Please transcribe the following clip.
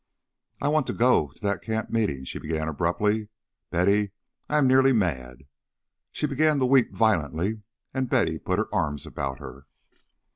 "I want to go to that camp meeting," she began abruptly. "Betty, I am nearly mad." She began to weep violently, and Betty put her arms about her.